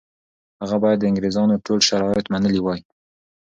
هغه باید د انګریزانو ټول شرایط منلي وای.